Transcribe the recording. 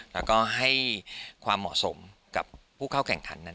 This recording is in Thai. แล้วก็ให้ความเหมาะสมกับผู้เข้าแข่งขันนั้น